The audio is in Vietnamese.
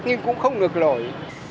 nhưng cũng không ngược lỗi